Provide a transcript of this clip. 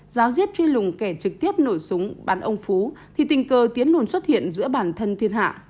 giáo diết truy lùng kẻ trực tiếp nổ súng bắn ông phú thì tình cờ tiến lùn xuất hiện giữa bản thân thiên hạ